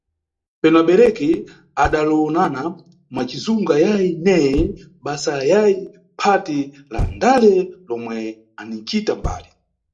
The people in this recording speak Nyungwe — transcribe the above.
Penu abereki adalowonana mwa cizungu ayayi neye, basa ayayi phati la ndale lomwe anicita mbali.